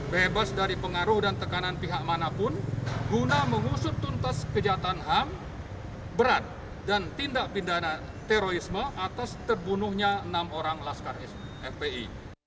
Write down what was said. bebas dari pengaruh dan tekanan pihak manapun guna mengusut tuntas kejahatan ham berat dan tindak pidana terorisme atas terbunuhnya enam orang laskar fpi